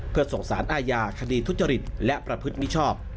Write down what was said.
เพื่อส่งสารอาญาคดีทุจริตและประพฤติมิชชอบ